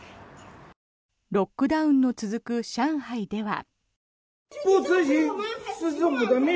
ロックダウンの続く上海では。